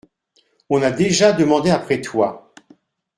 On a déjà demandé après toi.